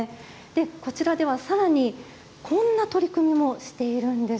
こちらでは、さらにこんな取り組みもしているんです。